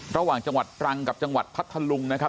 ระหว่างจังหวัดกันกับจังหวัดพรรถธรรมนะครับ